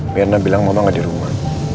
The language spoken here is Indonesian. mirna bilang mama gak di rumah